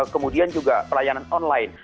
kemudian juga pelayanan online